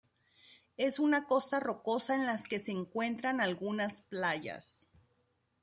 Es una costa rocosa en las que se encuentran algunas playas.